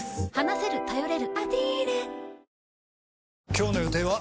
今日の予定は？